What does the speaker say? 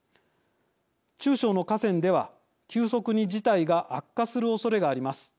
中小の河川では急速に事態が悪化するおそれがあります。